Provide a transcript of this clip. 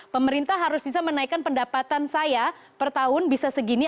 pemerintah harus bisa menaikkan pendapatan saya per tahun bisa segini